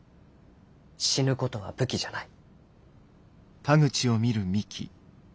死ぬ事は武器じゃない。